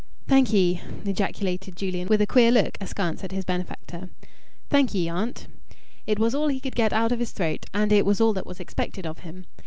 "Thank ye!" ejaculated Julian, with a queer look askance at his benefactor. "Thank ye, aunt!" It was all he could get out of his throat, and it was all that was expected of him.